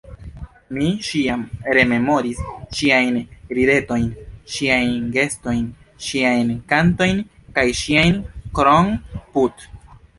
Mi ĉiam rememoris ŝiajn ridetojn, ŝiajn gestojn, ŝiajn kantojn kaj ŝian kron-put.